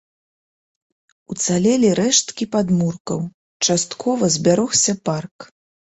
Уцалелі рэшткі падмуркаў, часткова збярогся парк.